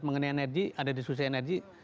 mengenai energi ada diskusi energi